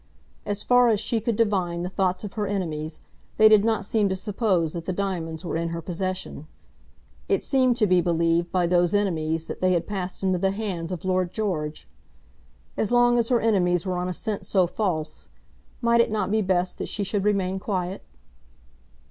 As far as she could divine the thoughts of her enemies, they did not seem to suppose that the diamonds were in her possession. It seemed to be believed by those enemies that they had passed into the hands of Lord George. As long as her enemies were on a scent so false, might it not be best that she should remain quiet?